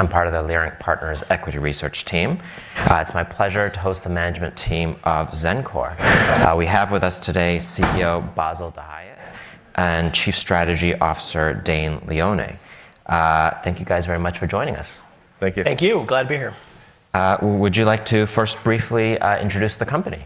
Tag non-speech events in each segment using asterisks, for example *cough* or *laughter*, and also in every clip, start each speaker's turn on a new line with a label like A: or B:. A: I'm part of the Leerink Partners Equity Research team. It's my pleasure to host the management team of Xencor. We have with us today CEO Bassil Dahiyat and Chief Strategy Officer Dane Leone. Thank you guys very much for joining us.
B: Thank you.
C: Thank you. Glad to be here.
A: Would you like to first briefly introduce the company?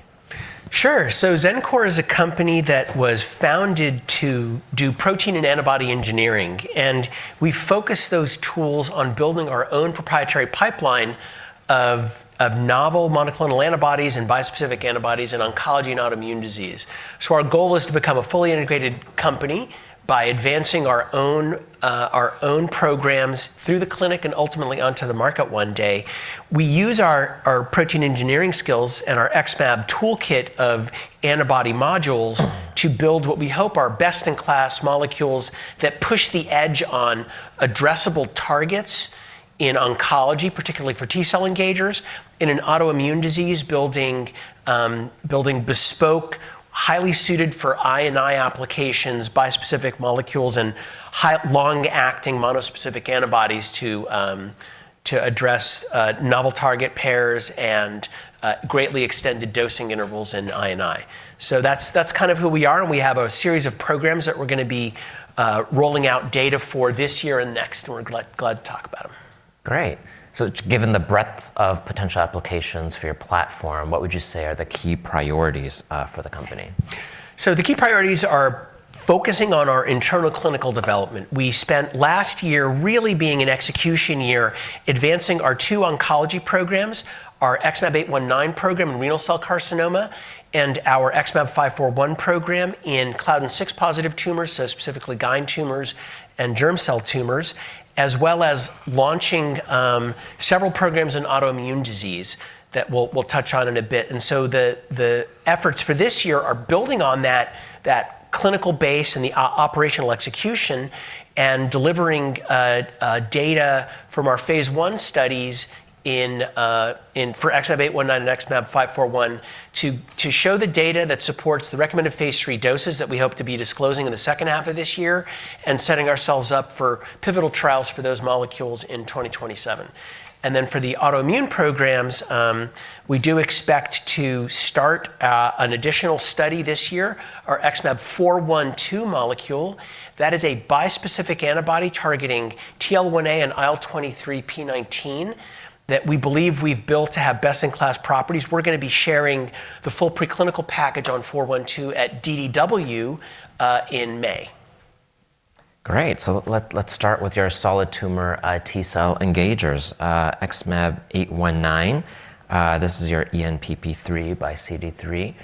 C: Sure. Xencor is a company that was founded to do protein and antibody engineering, and we focus those tools on building our own proprietary pipeline of novel monoclonal antibodies and bispecific antibodies in oncology and autoimmune disease. Our goal is to become a fully integrated company by advancing our own programs through the clinic and ultimately onto the market one day. We use our protein engineering skills and our XmAb toolkit of antibody modules to build what we hope are best-in-class molecules that push the edge on addressable targets in oncology, particularly for T cell engagers, in an autoimmune disease building bespoke, highly suited for I and I applications, bispecific molecules and highly long-acting monospecific antibodies to address novel target pairs and greatly extended dosing intervals in I&I. That's kind of who we are, and we have a series of programs that we're gonna be rolling out data for this year and next, and we're glad to talk about 'em.
A: Great. Given the breadth of potential applications for your platform, what would you say are the key priorities for the company?
C: The key priorities are focusing on our internal clinical development we spent last year really being an execution year, advancing our two oncology programs, our XmAb819 program in renal cell carcinoma, and our XmAb541 program in CLDN6+ tumors, so specifically GYN tumors and germ cell tumors, as well as launching several programs in autoimmune disease that we'll touch on in a bit. The efforts for this year are building on that clinical base and the operational execution and delivering data from our phase I studies in for XmAb819 and XmAb541 to show the data that supports the recommended phase III doses that we hope to be disclosing in the second half of this year and setting ourselves up for pivotal trials for those molecules in 2027. For the autoimmune programs, we do expect to start an additional study this year, our XmAb412 molecule. That is a bispecific antibody targeting TL1A and IL-23p19 that we believe we've built to have best-in-class properties we're gonna be sharing the full preclinical package on XmAb412 at DDW in May.
A: Great. Let's start with your solid tumor T cell engagers, XmAb819. This is your ENPP3 x CD3.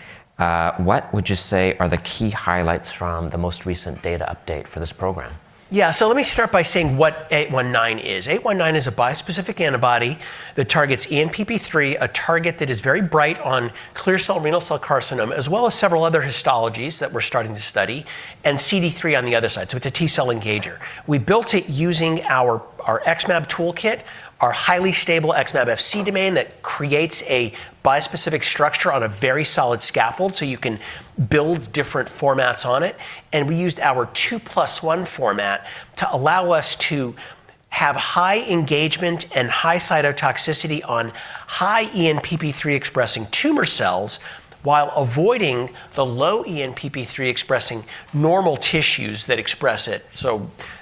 A: What would you say are the key highlights from the most recent data update for this program?
C: Yeah. Let me start by saying what XmAb819 is, XmAb819 is a bispecific antibody that targets ENPP3, a target that is very bright on clear cell renal cell carcinoma, as well as several other histologies that we're starting to study, and CD3 on the other side it's a T cell engager. We built it using our XmAb toolkit, our highly stable XmAb Fc domain that creates a bispecific structure on a very solid scaffold, so you can build different formats on it, and we used our 2+1 format to allow us to have high engagement and high cytotoxicity on high ENPP3 expressing tumor cells while avoiding the low ENPP3 expressing normal tissues that express it.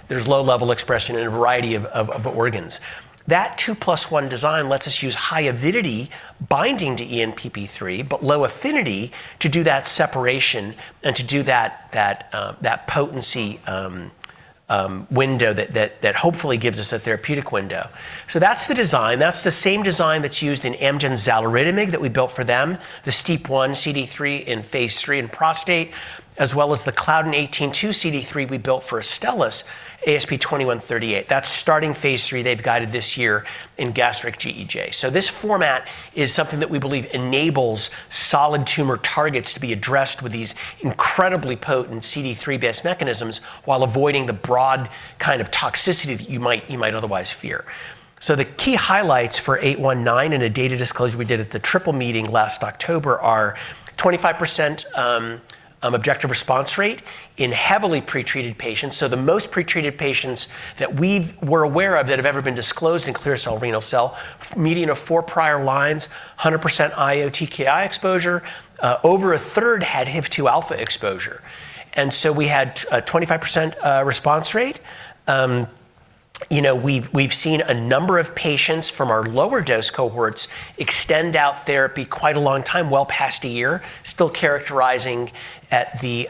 C: There's low level expression in a variety of organs. That 2+1 design lets us use high avidity binding to ENPP3, but low affinity to do that separation and to do that potency window that hopefully gives us a therapeutic window. That's the design. That's the same design that's used in Amgen's xaluritamig that we built for them, the STEAP1 CD3 in phase III in prostate, as well as the Claudin 18.2 CD3 we built for Astellas, ASP2138. That's starting phase III they've guided this year in gastric GEJ. This format is something that we believe enables solid tumor targets to be addressed with these incredibly potent CD3-based mechanisms while avoiding the broad kind of toxicity that you might otherwise fear. The key highlights for XmAb819 in a data disclosure we did at the Triple Meeting last October are 25% objective response rate in heavily pretreated patients. The most pretreated patients that we're aware of that have ever been disclosed in clear cell renal cell, median of four prior lines, 100% IO TKI exposure. Over a third had HIF-2 alpha exposure. We had a 25% response rate. You know, we've seen a number of patients from our lower dose cohorts extend out therapy quite a long time, well past a year, still characterizing at the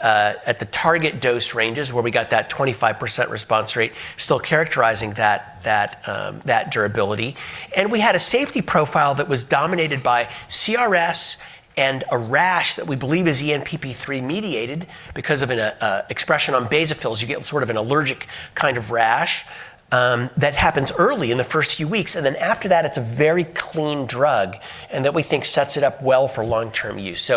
C: target dose ranges where we got that 25% response rate, still characterizing that durability. We had a safety profile that was dominated by CRS and a rash that we believe is ENPP3 mediated because of an expression on basophils you get sort of an allergic kind of rash that happens early in the first few weeks, and then after that, it's a very clean drug, and that we think sets it up well for long-term use.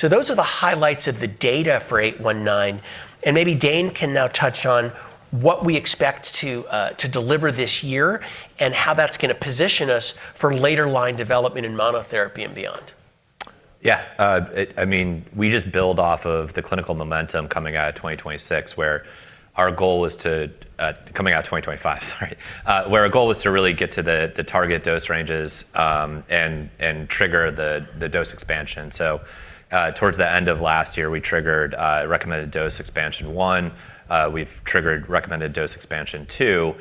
C: Those are the highlights of the data for XmAb819, and maybe Dane can now touch on what we expect to deliver this year and how that's gonna position us for later line development in monotherapy and beyond.
B: Yeah, I mean, we just build off of the clinical momentum coming out of 2025, sorry, where our goal is to really get to the target dose ranges and trigger the dose Expansion. Towards the end of last year, we triggered recommended dose Expansion 1. We've triggered recommended dose Expansion 2.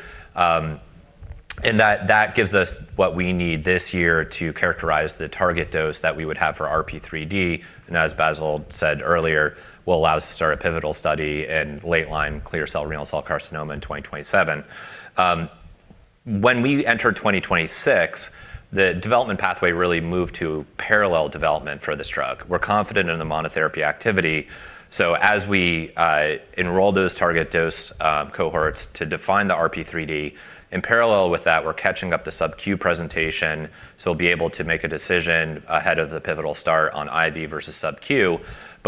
B: And that gives us what we need this year to characterize the target dose that we would have for RP3D, and as Bassil said earlier, will allow us to start a pivotal study in late-line clear cell renal cell carcinoma in 2027. When we entered 2026, the development pathway really moved to parallel development for this drug. We're confident in the monotherapy activity, so as we enroll those target dose cohorts to define the RP3D, in parallel with that, we're catching up on the sub-Q presentation, so we'll be able to make a decision ahead of the pivotal start on IV versus sub-Q.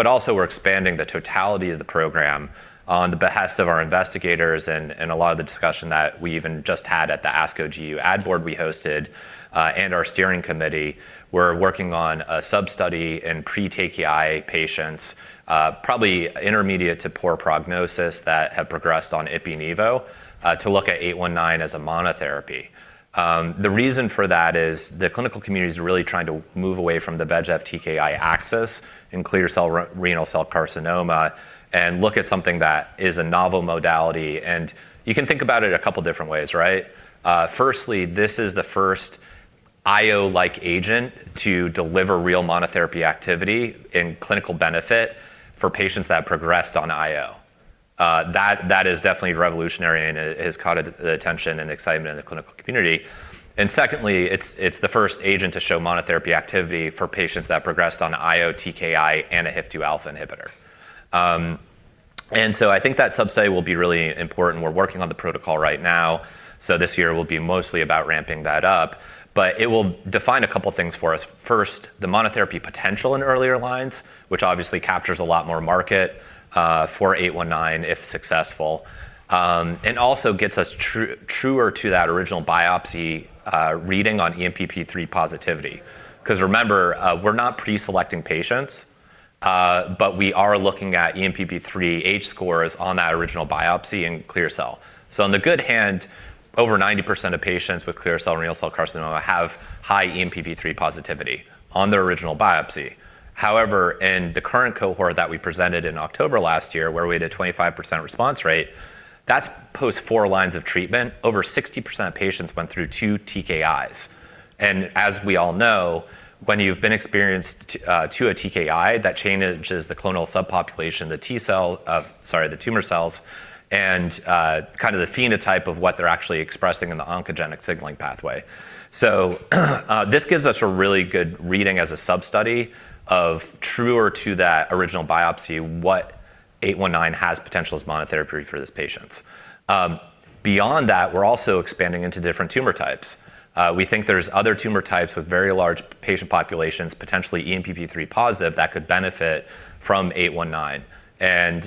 B: Also we're expanding the totality of the program on the behest of our investigators and a lot of the discussion that we even just had at the ASCO GU advisory board we hosted, and our steering committee. We're working on a sub-study in pre-TKI patients, probably intermediate to poor prognosis that have progressed on Ipilimumab and Nivolumab, to look at XmAb819 as a monotherapy. The reason for that is the clinical community is really trying to move away from the VEGF TKI axis in clear cell renal cell carcinoma and look at something that is a novel modality. You can think about it a couple different ways, right? Firstly, this is the first IO-like agent to deliver real monotherapy activity and clinical benefit for patients that progressed on IO. That is definitely revolutionary and it has caught the attention and excitement in the clinical community. Secondly, it's the first agent to show monotherapy activity for patients that progressed on IO, TKI, and a HIF-2 alpha inhibitor. I think that sub-study will be really important we're working on the protocol right now, so this year will be mostly about ramping that up, but it will define a couple things for us. First, the monotherapy potential in earlier lines, which obviously captures a lot more market, for XmAb819 if successful, and also gets us truer to that original biopsy, reading on ENPP3 positivity. 'Cause remember, we're not pre-selecting patients, but we are looking at ENPP3 H-scores on that original biopsy in clear cell. On the one hand, over 90% of patients with clear cell renal cell carcinoma have high ENPP3 positivity on their original biopsy. However, in the current cohort that we presented in October last year, where we had a 25% response rate, that's post four lines of treatment. Over 60% of patients went through two TKIs. As we all know, when you've been exposed to a TKI, that changes the clonal subpopulation, the tumor cells, and kinda the phenotype of what they're actually expressing in the oncogenic signaling pathway. This gives us a really good reading as a sub-study true to that original biopsy, what XmAb819 has potential as monotherapy for these patients. Beyond that, we're also expanding into different tumor types. We think there's other tumor types with very large patient populations, potentially ENPP3-positive, that could benefit from XmAb819.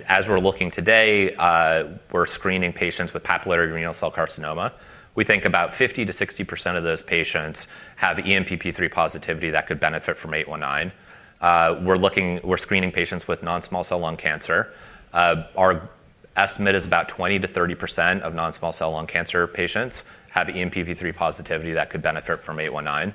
B: As we're looking today, we're screening patients with papillary renal cell carcinoma. We think about 50%-60% of those patients have ENPP3 positivity that could benefit from XmAb819. We're screening patients with non-small cell lung cancer. Our estimate is about 20%-30% of non-small cell lung cancer patients have ENPP3 positivity that could benefit from XmAb819.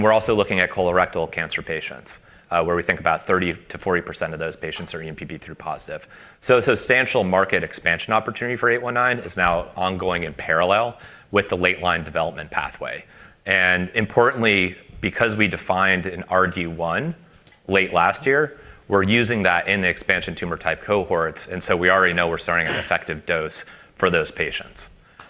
B: We're also looking at colorectal cancer patients, where we think about 30%-40% of those patients are ENPP3-positive. Substantial market Expansion opportunity for XmAb819 is now ongoing in parallel with the late line development pathway. Importantly, because we defined an RG1 late last year, we're using that in the Expansion tumor type cohorts, and so we already know we're starting an effective dose for those patients.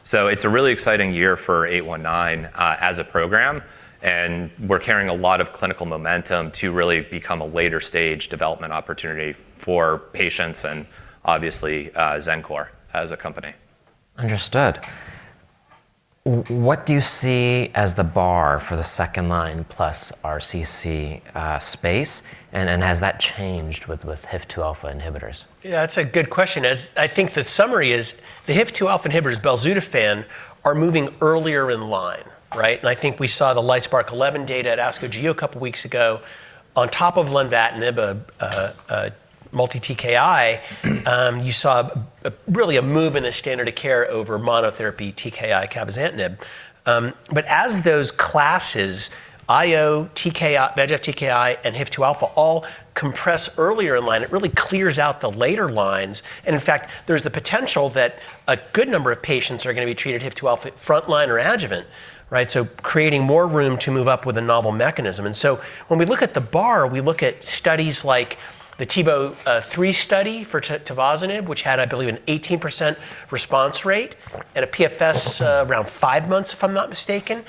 B: It's a really exciting year for XmAb819, as a program, and we're carrying a lot of clinical momentum to really become a later stage development opportunity for patients and obviously, Xencor as a company.
A: Understood. What do you see as the bar for the second-line plus RCC space? Has that changed with HIF-2 alpha inhibitors?
C: Yeah, that's a good question. As I think the summary is the HIF-2 alpha inhibitors, Belzutifan, are moving earlier in line, right? I think we saw the LITESPARK-011 data at ASCO GU a couple weeks ago. On top of lenvatinib, a multi-TKI, you saw a really move in the standard of care over monotherapy TKI cabozantinib. As those classes, IO, TKI, VEGF, TKI, and HIF-2 alpha all compress earlier in line, it really clears out the later lines. In fact, there's the potential that a good number of patients are gonna be treated HIF-2 alpha frontline or adjuvant, right? Creating more room to move up with a novel mechanism. When we look at the bar, we look at studies like the TIVO-3 study for tivozanib, which had, I believe, an 18% response rate and a PFS around five months, if I'm not mistaken,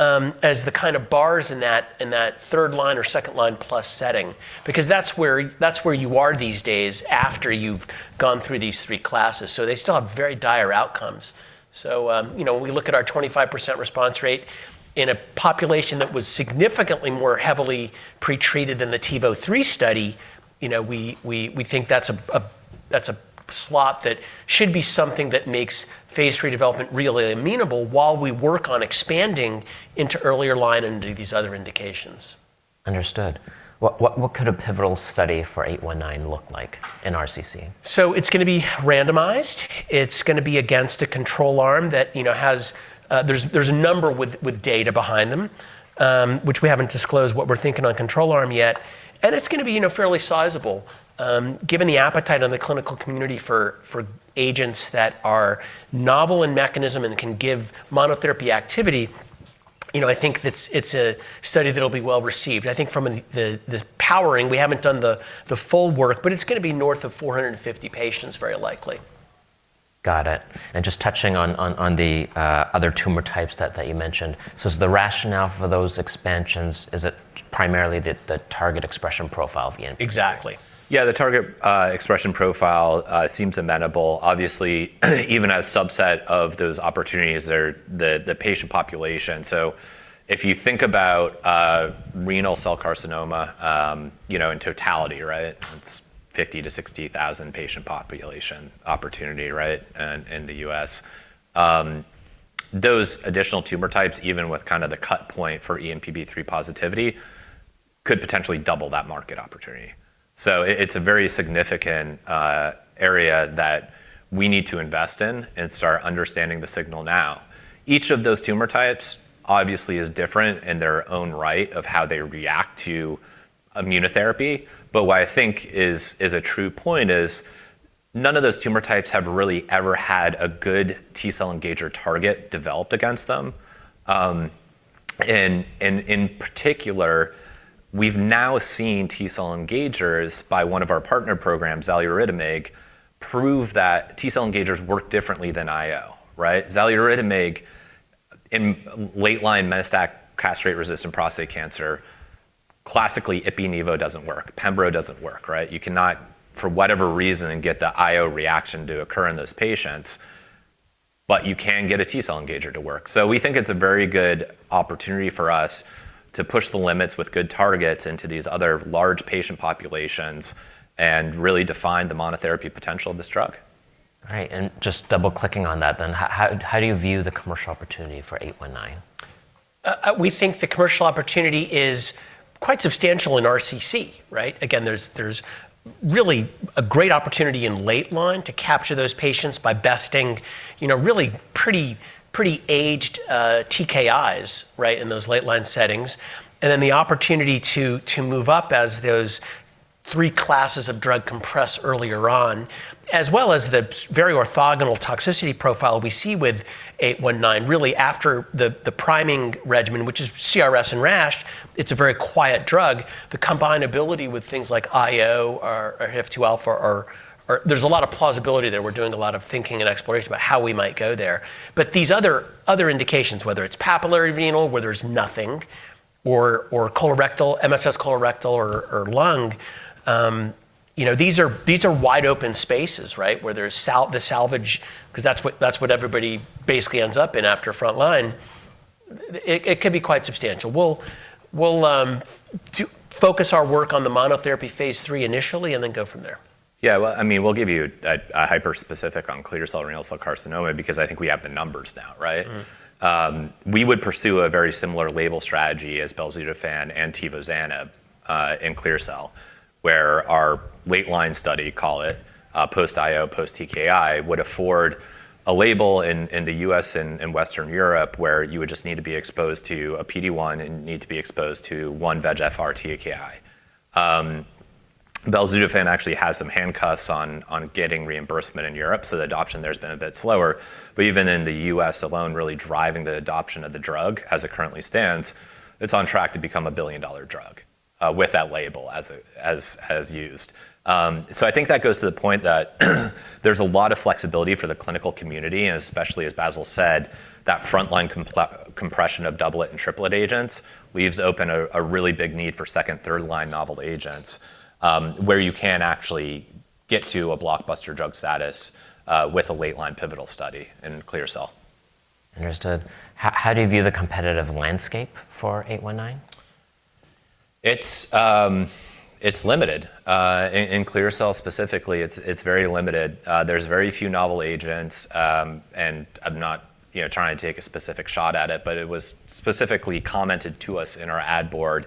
C: as the kind of bars in that third line or second line plus setting because that's where you are these days after you've gone through these three classes. You know, when we look at our 25% response rate in a population that was significantly more heavily pretreated than the TIVO-3 study, you know, we think that's a slot that should be something that makes phase III development really amenable while we work on expanding into earlier line and into these other indications.
A: Understood. What could a pivotal study for XmAb819 look like in RCC?
C: It's gonna be randomized. It's gonna be against a control arm that, you know, has, there's a number with data behind them, which we haven't disclosed what we're thinking on control arm yet. It's gonna be, you know, fairly sizable, given the appetite on the clinical community for agents that are novel in mechanism and can give monotherapy activity. You know, I think it's a study that'll be well-received. I think from the powering, we haven't done the full work, but it's gonna be north of 450 patients very likely.
A: Got it. Just touching on the other tumor types that you mentioned. Is the rationale for those Expansions primarily the target expression profile at the end?
C: Exactly.
B: Yeah. The target expression profile seems amenable. Obviously, even a subset of those opportunities there, the patient population. If you think about renal cell carcinoma, you know, in totality, right? It's 50,000 to 60,000 patient population opportunity, right, in the U.S. Those additional tumor types, even with kinda the cut point for ENPP3 positivity could potentially double that market opportunity. It's a very significant area that we need to invest in and start understanding the signal now. Each of those tumor types obviously is different in their own right of how they react to immunotherapy, but what I think is a true point is none of those tumor types have really ever had a good T-cell engager target developed against them. In particular, we've now seen T-cell engagers by one of our partner programs, xaluritamig, prove that T-cell engagers work differently than IO, right? Xaluritamig in late line metastatic castrate-resistant prostate cancer, classically Ipi-Nivo doesn't work. Pembro doesn't work, right? You cannot, for whatever reason, get the IO reaction to occur in those patients, but you can get a T-cell engager to work we think it's a very good opportunity for us to push the limits with good targets into these other large patient populations and really define the monotherapy potential of this drug.
A: Right. Just double-clicking on that then, how do you view the commercial opportunity for XmAb819?
C: We think the commercial opportunity is quite substantial in RCC, right? Again, there's really a great opportunity in late line to capture those patients by besting, you know, really pretty aged TKIs, right, in those late line settings. The opportunity to move up as those three classes of drug compress earlier on, as well as the very orthogonal toxicity profile we see with XmAb819. Really, after the priming regimen, which is CRS and rash, it's a very quiet drug. The combinability with things like IO or HIF-2 alpha or- -There's a lot of plausibility there we're doing a lot of thinking and exploration about how we might go there. These other indications, whether it's papillary renal where there's nothing or colorectal, MSS colorectal or lung, you know, these are wide open spaces, right, where there's salvage 'cause that's what everybody basically ends up in after front line. It could be quite substantial we'll to focus our work on the monotherapy phase III initially, and then go from there.
B: Yeah. Well, I mean, we'll give you a hyper-specific on clear cell renal cell carcinoma because I think we have the numbers now, right? We would pursue a very similar label strategy as Belzutifan and tivozanib in clear cell, where our late line study, call it, post-IO, post-TKI, would afford a label in the U.S. and in Western Europe where you would just need to be exposed to a PD-1 and need to be exposed to one VEGF-R TKI. Belzutifan actually has some handcuffs on getting reimbursement in Europe, so the adoption there has been a bit slower. Even in the U.S. alone, really driving the adoption of the drug as it currently stands, it's on track to become a billion drug with that label as used. I think that goes to the point that there's a lot of flexibility for the clinical community, and especially as Bassil said, that front-line compression of doublet and triplet agents leaves open a really big need for second, third line novel agents, where you can actually get to a blockbuster drug status, with a late line pivotal study in clear cell.
A: Understood. How do you view the competitive landscape for XmAb819?
B: It's limited. In clear cell specifically, it's very limited. There's very few novel agents, and I'm not, you know, trying to take a specific shot at it, but it was specifically commented to us in our ad board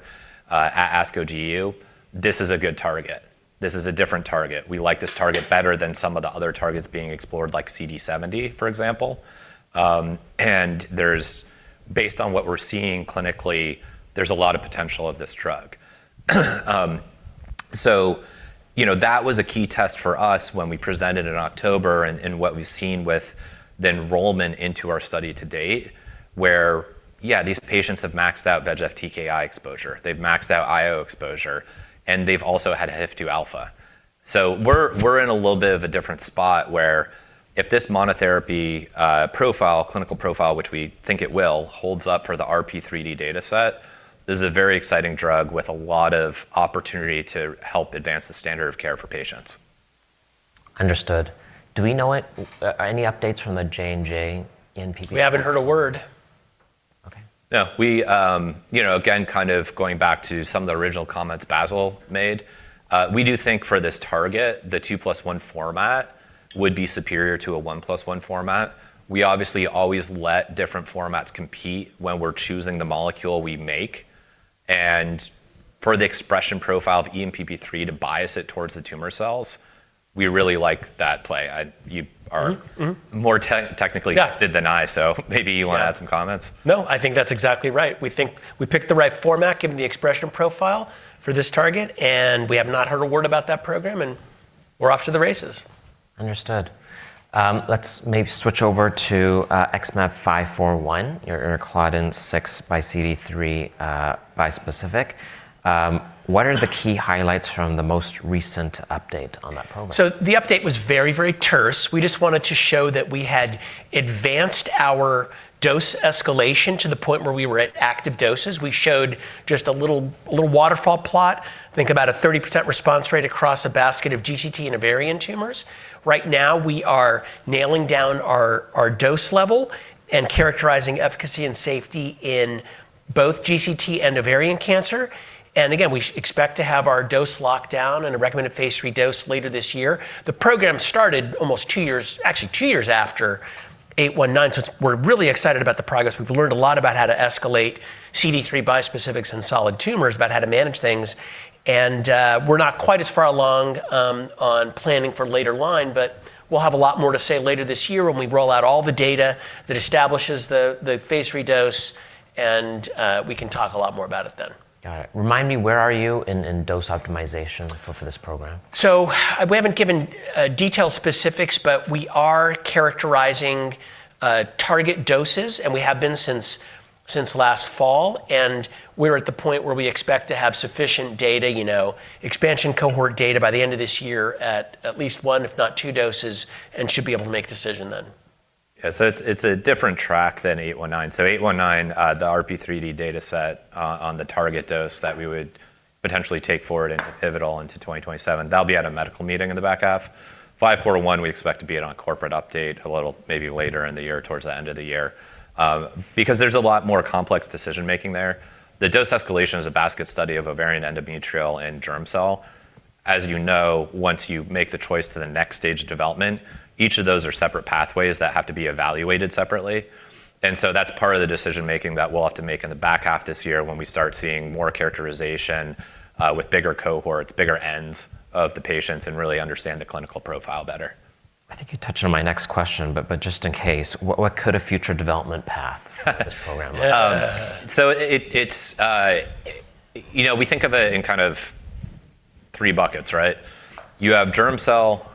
B: at ASCO GU, "This is a good target. This is a different target. We like this target better than some of the other targets being explored, like CD70, for example. And based on what we're seeing clinically, there's a lot of potential of this drug." You know, that was a key test for us when we presented in October and what we've seen with the enrollment into our study to date, where these patients have maxed out VEGF TKI exposure they've maxed out IO exposure, and they've also had HIF-2 alpha. We're in a little bit of a different spot where if this monotherapy profile, clinical profile, which we think it will, holds up for the RP3D data set, this is a very exciting drug with a lot of opportunity to help advance the standard of care for patients.
A: Understood. Do we know any updates from the J&J in PD-?
C: We haven't heard a word.
B: No, we you know, again, kind of going back to some of the original comments Bassil made, we do think for this target, the two plus one format would be superior to a one plus one format. We obviously always let different formats compete when we're choosing the molecule we make, and for the expression profile of ENPP3 to bias it towards the tumor cells, we really like that play.... more technically-
C: Yeah
B: -gifted than I, so maybe you-
C: Yeah
B: -Wanna add some comments.
C: No, I think that's exactly right we think we picked the right format given the expression profile for this target, and we have not heard a word about that program, and we're off to the races.
A: Understood. Let's maybe switch over to XmAb541, your CLDN6 x CD3 bispecific. What are the key highlights from the most recent update on that program?
C: The update was very terse. We just wanted to show that we had advanced our dose escalation to the point where we were at active doses we showed just a little waterfall plot, I think about a 30% response rate across a basket of GCT and ovarian tumors. Right now, we are nailing down our dose level and characterizing efficacy and safety in both GCT and ovarian cancer. Again, we expect to have our dose locked down and a recommended phase III dose later this year. The program started almost two years, actually two years, after XmAb819, so we're really excited about the progress we've learned a lot about how to escalate CD3 bispecifics in solid tumors, about how to manage things, and we're not quite as far along on planning for later line, but we'll have a lot more to say later this year when we roll out all the data that establishes the phase three dose, and we can talk a lot more about it then.
A: Got it. Remind me, where are you in dose optimization for this program?
C: We haven't given detailed specifics, but we are characterizing target doses, and we have been since last fall. We're at the point where we expect to have sufficient data, you know, Expansion cohort data by the end of this year at least one, if not two doses, and should be able to make decision then.
B: Yeah. It's a different track than XmAb819. XmAb819, the RP3D data set on the target dose that we would potentially take forward into pivotal into 2027, that'll be at a medical meeting in the back half. XmAb541, we expect to be at a corporate update a little, maybe later in the year, towards the end of the year, because there's a lot more complex decision-making there. The dose escalation is a basket study of ovarian, endometrial and germ cell. As you know, once you make the choice to the next stage of development, each of those are separate pathways that have to be evaluated separately. That's part of the decision-making that we'll have to make in the back half of this year when we start seeing more characterization with bigger cohorts, bigger N's of the patients and really understand the clinical profile better.
A: I think you touched on my next question, but just in case, what could a future development path of this program look like?
B: It's you know, we think of it in kind of three buckets, right? You have germ cell,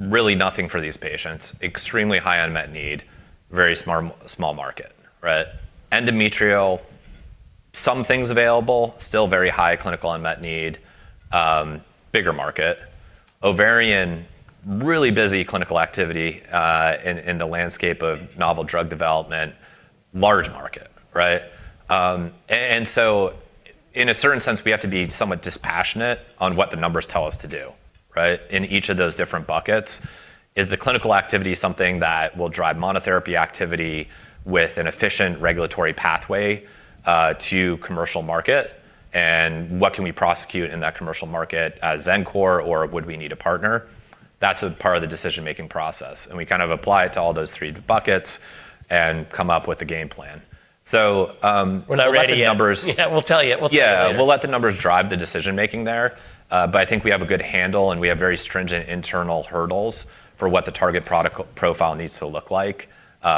B: really nothing for these patients, extremely high unmet need, very small market, right? Endometrial, some things available, still very high clinical unmet need, bigger market. Ovarian, really busy clinical activity, in the landscape of novel drug development, large market, right? And so in a certain sense, we have to be somewhat dispassionate on what the numbers tell us to do, right? In each of those different buckets, is the clinical activity something that will drive monotherapy activity with an efficient regulatory pathway, to commercial market? What can we prosecute in that commercial market as Xencor or would we need a partner? That's a part of the decision-making process, and we kind of apply it to all those three buckets and come up with a game plan. We'll let the numbers.
C: We're not ready yet. *crosstalk* Yeah. We'll tell you. We'll tell you later.
B: Yeah. We'll let the numbers drive the decision-making there. But I think we have a good handle, and we have very stringent internal hurdles for what the target product co-profile needs to look like,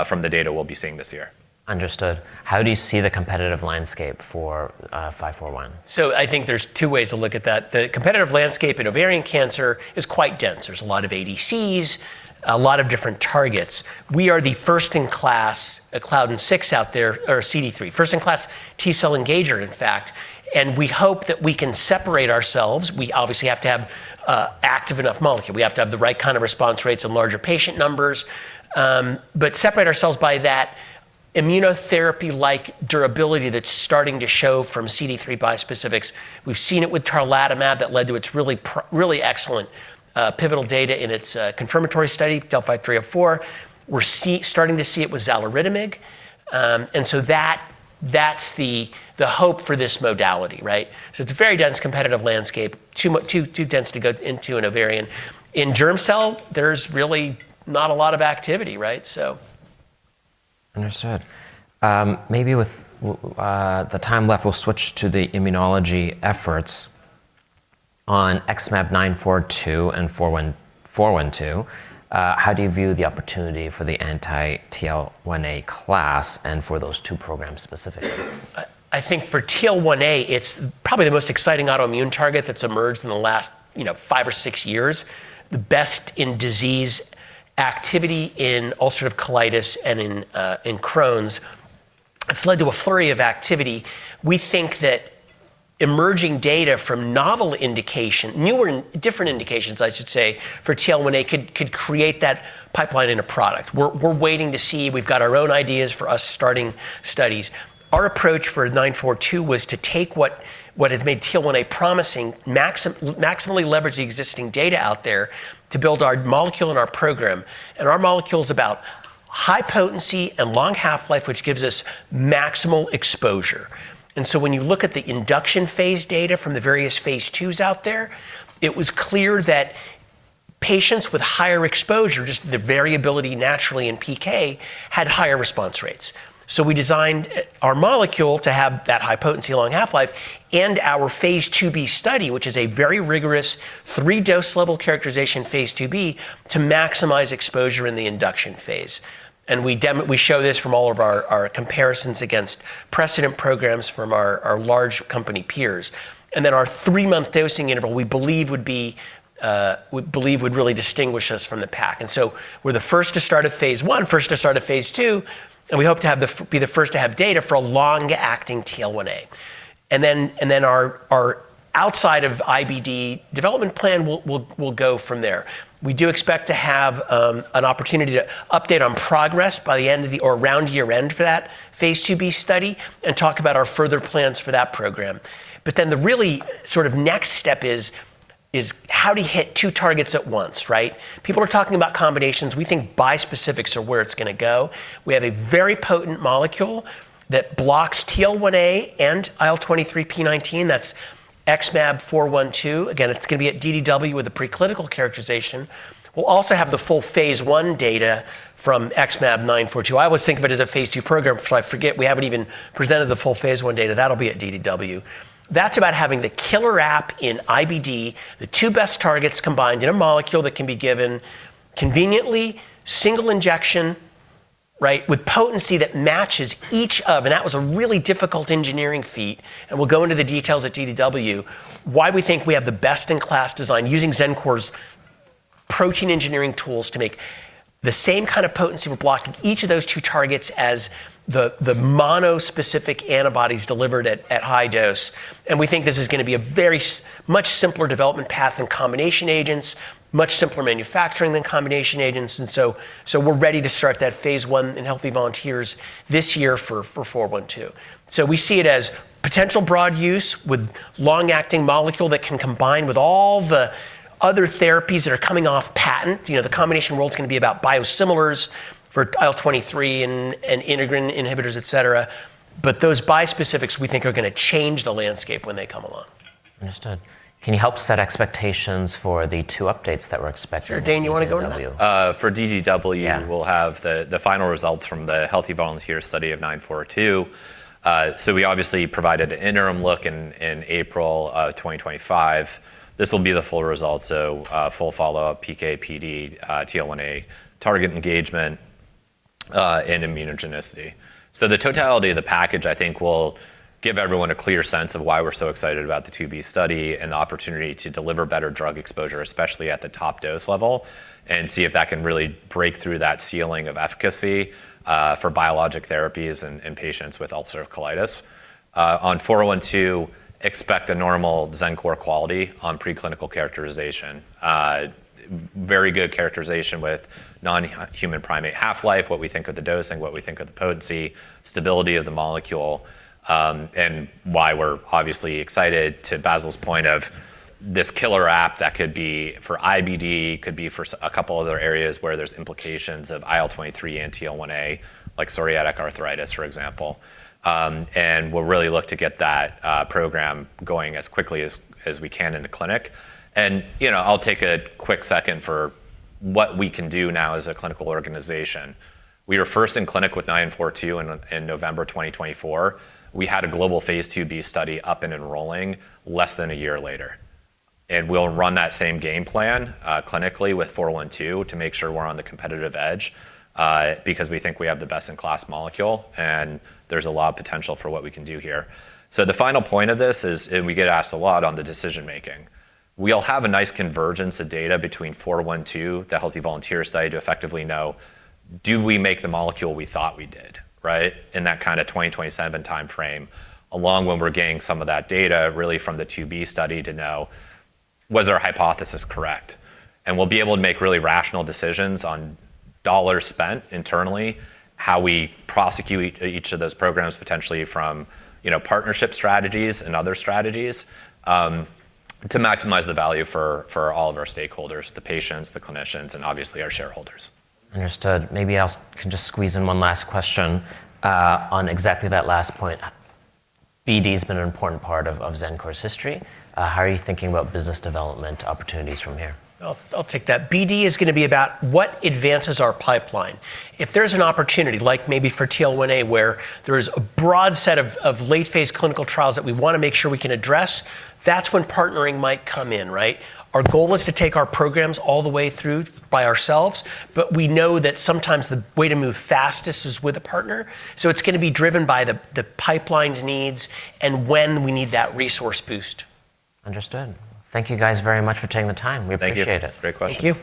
B: from the data we'll be seeing this year.
A: Understood. How do you see the competitive landscape for XmAb541?
C: I think there's two ways to look at that. The competitive landscape in ovarian cancer is quite dense. There's a lot of ADCs, a lot of different targets. We are the first-in-class CLDN6 out there or CD3. First-in-class T-cell engager, in fact, and we hope that we can separate ourselves. We obviously have to have an active enough molecule we have to have the right kind of response rates and larger patient numbers. But separate ourselves by that immunotherapy-like durability that's starting to show from CD3 bispecifics. We've seen it with tarlatamab that led to its really excellent pivotal data in its confirmatory study, DeLLphi-304. We're starting to see it with xaluritamig. That's the hope for this modality, right? It's a very dense competitive landscape, too dense to go into an ovarian. In germ cell, there's really not a lot of activity, right?
A: Understood. Maybe with the time left, we'll switch to the immunology efforts on XmAb942 and XmAb412. How do you view the opportunity for the anti-TL1A class and for those two programs specifically?
C: I think for TL1A, it's probably the most exciting autoimmune target that's emerged in the last, you know, five or six years, the best in disease activity in ulcerative colitis and in Crohn's. It's led to a flurry of activity. We think that emerging data from newer and different indications, I should say, for TL1A could create that pipeline in a product we're waiting to see we've got our own ideas for us starting studies. Our approach for nine four two was to take what has made TL1A promising, maximally leverage the existing data out there to build our molecule and our program. Our molecule's about high potency and long half-life, which gives us maximal exposure. When you look at the induction phase data from the various phase II out there, it was clear that patients with higher exposure, just the variability naturally in PK, had higher response rates. We designed our molecule to have that high potency, long half-life, and our Phase 2b study, which is a very rigorous three dose level characterization Phase 2b, to maximize exposure in the induction phase. We show this from all of our comparisons against precedent programs from our large company peers. Our three-month dosing interval, we believe would really distinguish us from the pack. We're the first to start a phase I, first to start a phase II, and we hope to be the first to have data for a long-acting TL1A. Our outside of IBD development plan will go from there. We do expect to have an opportunity to update on progress by the end of the year or around year-end for that Phase 2b study and talk about our further plans for that program. The really sort of next step is how do you hit two targets at once, right? People are talking about combinations we think bispecifics are where it's gonna go. We have a very potent molecule that blocks TL1A and IL-23p19. That's XmAb412. Again, it's gonna be at DDW with the preclinical characterization. We'll also have the full phase one data from XmAb942 i always think of it as a phase two program, but I forget we haven't even presented the full phase one data that'll be at DDW. That's about having the killer app in IBD, the two best targets combined in a molecule that can be given conveniently, single injection, right? That was a really difficult engineering feat, and we'll go into the details at DDW, why we think we have the best-in-class design using Xencor's protein engineering tools to make the same kind of potency with blocking each of those two targets as the monospecific antibodies delivered at high dose. We think this is gonna be a very much simpler development path than combination agents, much simpler manufacturing than combination agents. We're ready to start that phase I in healthy volunteers this year for XmAb412. We see it as potential broad use with long-acting molecule that can combine with all the other therapies that are coming off patent you know, the combination world's gonna be about biosimilars for IL-23 and integrin inhibitors, et cetera. Those bispecifics, we think, are gonna change the landscape when they come along.
A: Understood. Can you help set expectations for the two updates that we're expecting at DDW?
C: Sure. Dane, you wanna go on that?
B: for DDW
A: Yeah
B: We'll have the final results from the healthy volunteer study of XmAb942. We obviously provided an interim look in April 2025. This will be the full result, full follow-up, PK/PD, TL1A target engagement, and immunogenicity. The totality of the package, I think, will give everyone a clear sense of why we're so excited about the Phase 2b study and the opportunity to deliver better drug exposure, especially at the top dose level, and see if that can really break through that ceiling of efficacy for biologic therapies in patients with ulcerative colitis. On XmAb412, expect a normal Xencor quality on preclinical characterization. Very good characterization with non-human primate half-life, what we think of the dosing, what we think of the potency, stability of the molecule, and why we're obviously excited, to Bassil's point, of this killer app that could be for IBD, could be for a couple other areas where there's implications of IL-23 and TL1A, like psoriatic arthritis, for example. We'll really look to get that program going as quickly as we can in the clinic. You know, I'll take a quick second for what we can do now as a clinical organization. We were first in clinic with XmAb942 in November 2024. We had a global Phase 2b study up and enrolling less than a year later. We'll run that same game plan clinically with XmAb412 to make sure we're on the competitive edge because we think we have the best-in-class molecule, and there's a lot of potential for what we can do here. The final point of this is, and we get asked a lot on the decision-making, we'll have a nice convergence of data between XmAb412, the healthy volunteer study, to effectively know do we make the molecule we thought we did, right? In that kinda 2027 timeframe, along when we're getting some of that data really from the Phase 2b study to know was our hypothesis correct. We'll be able to make really rational decisions on dollars spent internally, how we prosecute each of those programs, potentially from, you know, partnership strategies and other strategies, to maximize the value for all of our stakeholders, the patients, the clinicians, and obviously our shareholders.
A: Understood. Maybe I can just squeeze in one last question on exactly that last point. BD's been an important part of Xencor's history. How are you thinking about business development opportunities from here?
C: I'll take that. BD is gonna be about what advances our pipeline. If there's an opportunity, like maybe for TL1A, where there is a broad set of late phase clinical trials that we wanna make sure we can address, that's when partnering might come in, right? Our goal is to take our programs all the way through by ourselves, but we know that sometimes the way to move fastest is with a partner. It's gonna be driven by the pipeline's needs and when we need that resource boost.
A: Understood. Thank you guys very much for taking the time. We appreciate it.
B: Thank you. Great questions.
C: Thank you.